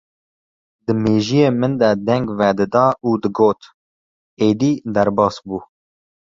di mêjiyê min de deng vedida û digot: Êdî derbas bû!